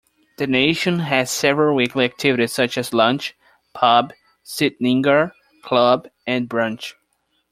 The nation has several weekly activities such as lunch, pub, sittningar, club and brunch.